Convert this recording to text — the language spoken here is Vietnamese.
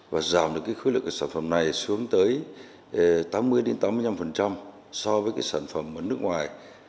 và giảm được khối lực của sản phẩm này xuống tới tám mươi tám mươi năm so với sản phẩm ở nước ngoài